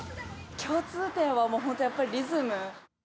共通点は、もう本当やっぱり、リズム。